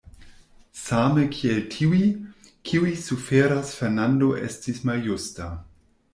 Same kiel tiuj, kiuj suferas, Fernando estis maljusta.